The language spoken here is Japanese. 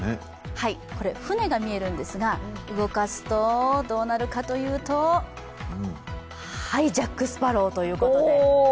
これ、船が見えるんですが動かすとどうなるかというとジャック・スパロウということで。